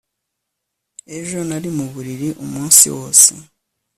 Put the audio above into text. ejo nari mu buriri umunsi wose